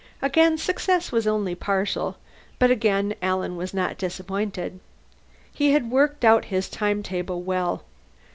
Again success was only partial, but again Alan was not disappointed. He had worked out his time table well.